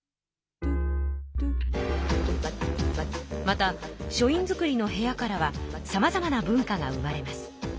また書院造の部屋からはさまざまな文化が生まれます。